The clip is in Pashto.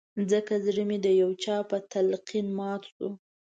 ځکه زړه مې د يو چا په تلقين مات شو